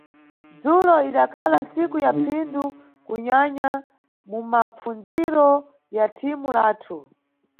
Dzulo idakhala ntsiku ya phindu kunyanya mumapfundziro ya thimu lathu.